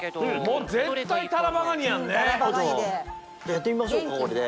やってみましょうかこれで。